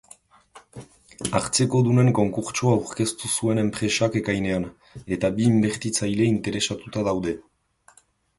Hartzekodunen konkurtsoa aurkeztu zuen enpresak ekainean, eta bi inbertitzaile interesatuta daude.